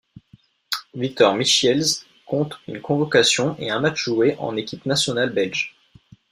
Victor Michiels compte une convocation et un match joué en équipe nationale belge.